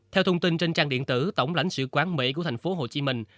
theo thông tin trên trang điện tử tổng lãnh sự quán mỹ của thành phố hồ chí minh